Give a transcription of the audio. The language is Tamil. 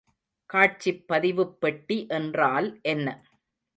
காட்சிப் பதிவுப் பெட்டி என்றால் என்ன?